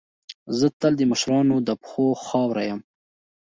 زه تل د مشرانو د پښو خاوره یم.